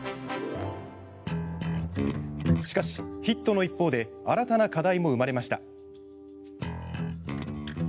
しかし、ヒットの一方で新たな課題も生まれました。